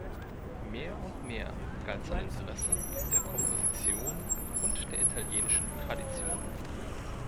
Mehr und mehr galt sein Interesse der Komposition und der italienischen Tradition.